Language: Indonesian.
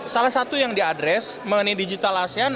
salah satu yang diadres mengenai digital asean